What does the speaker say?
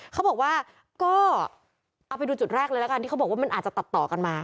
เขาบอกว่าก็เอาไปดูจุดแรกเลยละกันที่เขาบอกว่ามันอาจจะตัดต่อกันมา